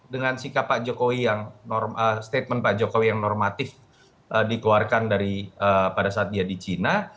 dengan sikap pak jokowi yang statement pak jokowi yang normatif dikeluarkan dari pada saat dia di china